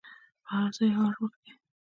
په هر ځای او هر وخت کې.